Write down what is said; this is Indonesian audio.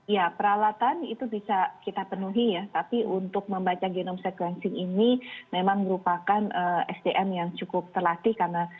ya peralatan itu bisa kita penuhi ya tapi untuk membaca genome sequencing ini memang merupakan sdm yang cukup terlatih karena